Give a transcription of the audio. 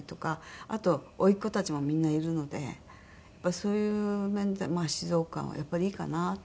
あと甥っ子たちもみんないるのでそういう面で静岡はやっぱりいいかなと思って。